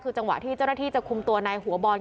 คือจังหวะที่เจ้าหน้าที่จะคุมตัวนายหัวบอล